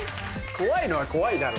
怖いのは怖いだろ。